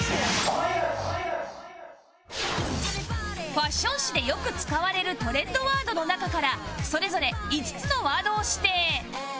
ファッション誌でよく使われるトレンドワードの中からそれぞれ５つのワードを指定